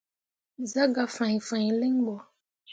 Zah gah fãi fãi linɓo.